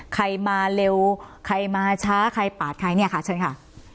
ใครมาเร็วใครมาช้าใครปาดใครเนี่ยค่ะเชิญค่ะ